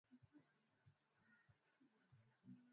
Vicki alikuwa na njia maalum